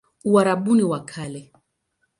Uarabuni wa Kale